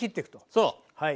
そう！